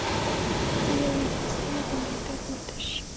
یوې هسکې غونډۍ ته پورته شي.